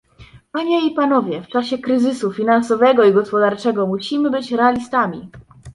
Panie i panowie, w czasie kryzysu finansowego i gospodarczego musimy być realistami